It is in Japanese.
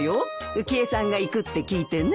浮江さんが行くって聞いてね。